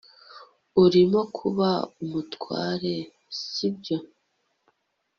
urimo kuba umutware, sibyo